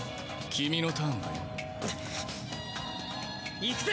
君のターンだよ。いくぜ！